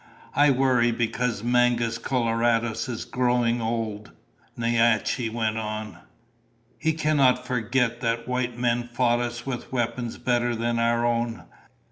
"I worry because Mangus Coloradus is growing old," Naiche went on. "He cannot forget that white men fought us with weapons better than our own.